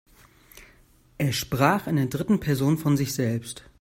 Er sprach in der dritten Person von sich selbst.